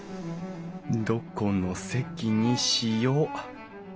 どこの席にしよう？